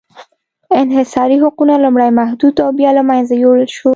انحصاري حقونه لومړی محدود او بیا له منځه یووړل شول.